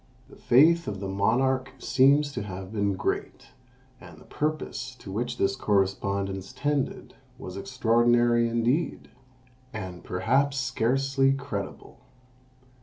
The faith of the monarch seems to have been great, and the purpose to which this correspondence tended was extraordinary indeed, and perhaps scarcely credible.